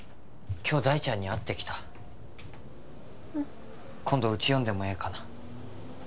今日大ちゃんに会ってきたうん今度うち呼んでもええかな？